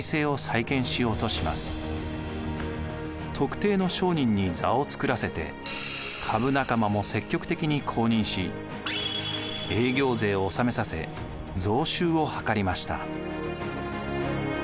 特定の商人に座を作らせて株仲間も積極的に公認し営業税を納めさせ増収を図りました。